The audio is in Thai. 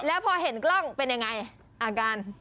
แล้วพอเห็นกล้องเป็นยังไงอาการ